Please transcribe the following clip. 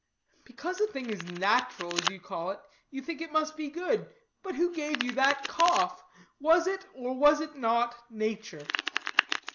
"Because a thing is nat'ral, as you call it, you think it must be good. But who gave you that cough? Was it, or was it not, nature?"